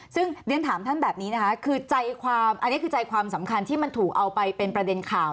ซึ่งเรียนถามท่านแบบนี้คือใจความสำคัญที่มันถูกเอาไปเป็นประเด็นข่าว